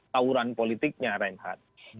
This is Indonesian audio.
tawuran politiknya reinhardt